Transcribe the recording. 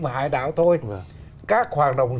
và hải đảo thôi các hoạt động